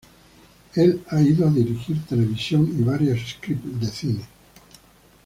Él ha ido a dirigir televisión y varios scripts de cine.